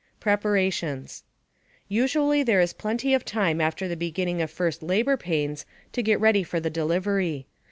PREPARATIONS Usually there is plenty of time after the beginning of first labor pains to get ready for the delivery.